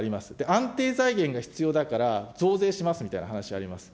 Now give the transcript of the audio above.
安定財源が必要だから、増税しますみたいな話あります。